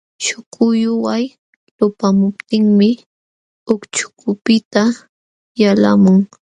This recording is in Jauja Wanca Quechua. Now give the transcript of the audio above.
Śhukulluway lupamuptinmi ucćhkunpiqta yalqamun.